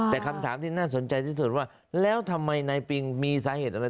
แต่คำถามที่น่าสนใจที่สุดว่าแล้วทำไมนายปิงมีสาเหตุอะไร